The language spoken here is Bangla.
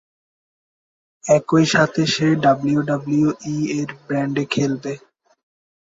একই সাথে সে ডব্লিউডব্লিউই-এর র ব্র্যান্ডে খেলবে।